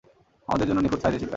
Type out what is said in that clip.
আমাদের জন্য নিখুঁত সাইজের শিকার।